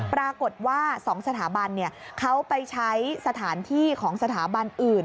ปรากฏว่า๒สถาบันเขาไปใช้สถานที่ของสถาบันอื่น